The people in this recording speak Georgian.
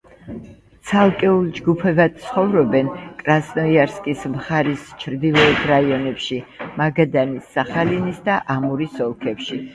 ცალკეულ ჯგუფებად ცხოვრობენ კრასნოიარსკის მხარის ჩრდილოეთ რაიონებში, მაგადანის, სახალინის და ამურის ოლქებში.